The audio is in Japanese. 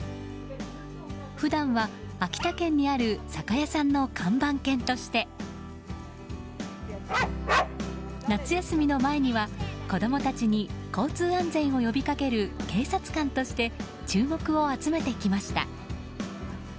普段は秋田県にある酒屋さんの看板犬として夏休みの前には子供たちに交通安全を呼びかける警察官として注目を集めてきました。